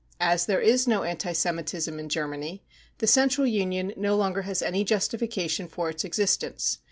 As there is no anti Semitism in Germany, the Central Union no longer has any justification for its existence.